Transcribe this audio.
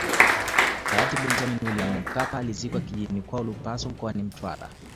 Hayati Benjamini Wiliam Mkapa alizikwa kijijini kwao Lupaso mkoani Mtwara